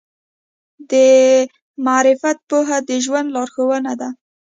د معرفت پوهه د ژوند لارښود دی.